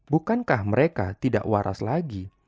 bukankah mereka tidak waras lagi